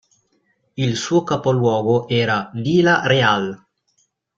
Il suo capoluogo era Vila Real.